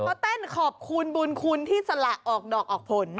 เขาเต้นขอบคุณบุญคุณที่สละออกดอกออกผล